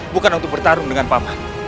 bukan untuk bertarung dengan pub